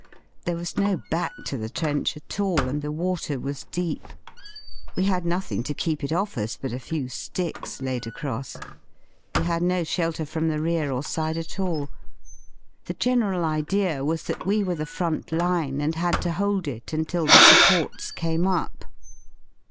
There was no back to the trench at all, and the water was deep; we had nothing to keep it off us but a few ^icks laid across. We had no shelter from the rear or side at all. The general idea was that we were the front line and had to hold it until the supports came up.